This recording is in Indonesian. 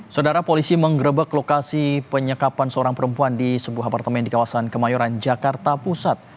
saudara polisi menggerebek lokasi penyekapan seorang perempuan di sebuah apartemen di kawasan kemayoran jakarta pusat